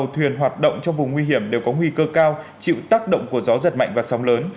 thuyền hoạt động trong vùng nguy hiểm đều có nguy cơ cao chịu tác động của gió giật mạnh và sóng lớn